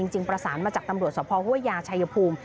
จริงประสานมาจากตำรวจสภห้วยยาชายภูมิ